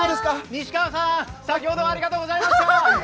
西川さーん、先ほどはありがとうございました。